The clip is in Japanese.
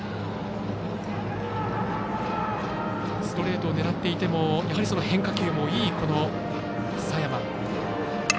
ストレートを狙っていても変化球もいい佐山。